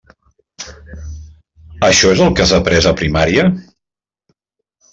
Això és el que has aprés en primària?